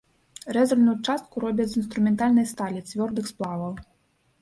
Рэзальную частку робяць з інструментальнай сталі, цвёрдых сплаваў.